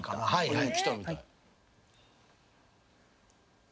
はい。